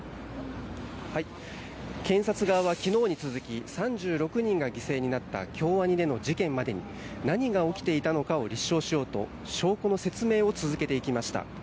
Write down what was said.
検察側は昨日に続き３６人が犠牲になった京アニでの事件までに何が起きていたのかを立証しようと証拠の説明を続けていきました。